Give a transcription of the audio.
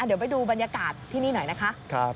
เดี๋ยวไปดูบรรยากาศที่นี่หน่อยนะคะ